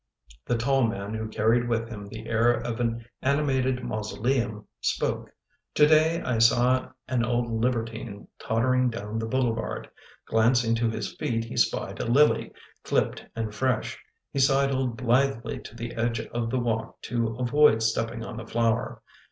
The tall man, who carried with him the air of an ani mated mausoleum, spoke. " Today I saw an old libertine tottering down the boulevard. Glancing to his feet he spied a lily, clipped and fresh. He sidled blithely to the edge of the walk to avoid stepping on the flower.